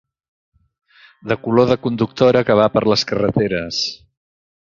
De color de conductora que va per les carreteres